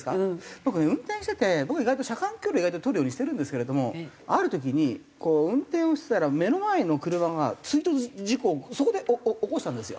僕ね運転してて僕車間距離意外と取るようにしてるんですけれどもある時にこう運転をしてたら目の前の車が追突事故をそこで起こしたんですよ。